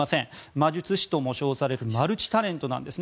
魔術師とも称されるマルチタレントなんですね。